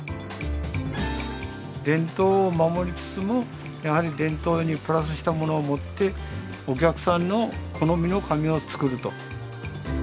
伝統を守りつつもやはり伝統にプラスしたものをもってお客さんの好みの紙を作ると。